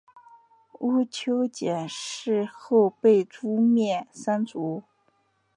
毋丘俭事后被诛灭三族。